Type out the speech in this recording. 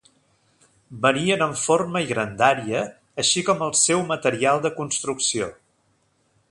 Varien en forma i grandària, així com el seu material de construcció.